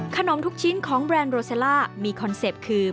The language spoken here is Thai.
ทุกชิ้นของแบรนด์โรเซล่ามีคอนเซ็ปต์คือ